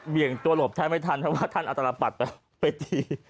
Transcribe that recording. งตัวหลบแทบไม่ทันเพราะว่าท่านอัตรปัดไปตี